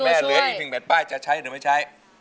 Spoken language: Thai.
คุณแม่เหลืออีกหนึ่งแผ่นป้ายจะใช้หรือไม่ใช้